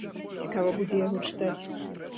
Цікава будзе яго чытаць.